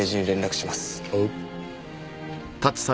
おう。